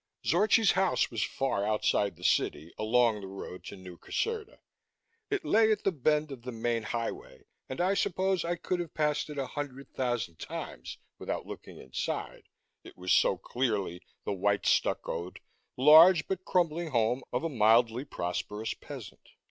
Zorchi's house was far outside the city, along the road to New Caserta. It lay at the bend of the main highway, and I suppose I could have passed it a hundred thousand times without looking inside, it was so clearly the white stuccoed, large but crumbling home of a mildly prosperous peasant.